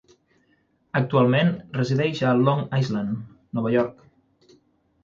Actualment resideix a Long Island, Nova York.